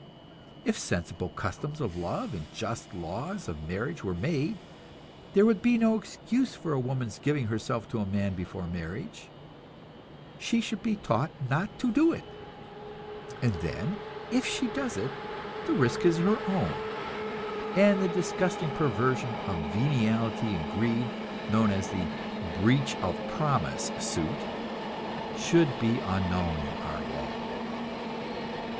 If sensible customs of love and just laws of marriage were made, there would be no excuse for a woman's giving herself to a man before marriage; she should be taught not to do it, and then if she does it, the risk is her own, and the disgusting perversion of venality and greed known as the "breach of promise suit" should be unknown in our law.